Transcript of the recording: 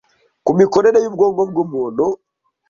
ku mikorere y’ubwonko bw’umuntu